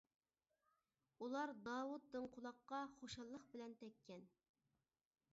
ئۇلار داۋۇت دىڭ قۇلاققا خۇشاللىق بىلەن تەگكەن.